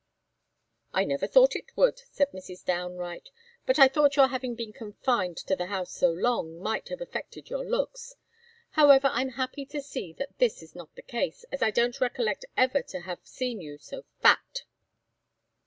"I never thought it would," said Mrs. Downe Wright; "but I thought your having been confined to the house so long might have affected your looks. However, I'm happy to see that is not the case, as I don't recollect ever to have seen you so fat."